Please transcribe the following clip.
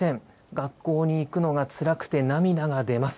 学校に行くのがつらくて涙が出ます。